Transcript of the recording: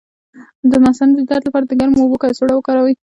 د مثانې د درد لپاره د ګرمو اوبو کڅوړه وکاروئ